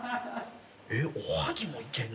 えっおはぎもいけんの？